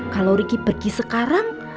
kalo riki pergi sekarang